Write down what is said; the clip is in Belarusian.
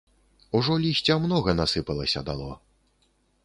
Ужо лісця многа насыпалася дало.